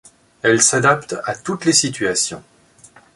Elle s'adapte à toutes les situations.